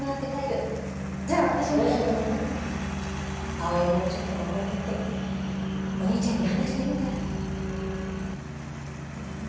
葵はもうちょっとここにいてお兄ちゃんに話してみたら？